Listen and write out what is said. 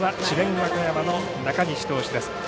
和歌山の中西投手です。